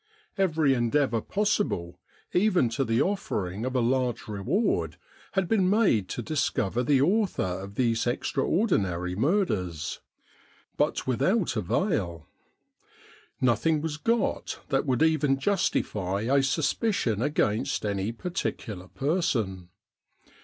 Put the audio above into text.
Every endeavour possible, even to the offering of a large reward, had been made to discover the author of these extraordinary murders, but without avail. Nothing was got that would even justify a suspicion against any particular person.